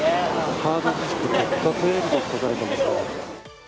ハードディスク特価セールと書かれていますね。